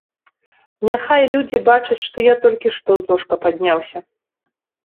Няхай людзі бачаць, што я толькі што з ложка падняўся.